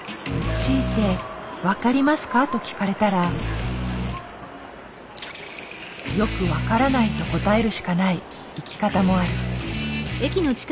強いて「分かりますか？」と聞かれたら「よく分からない」と答えるしかない生き方もある。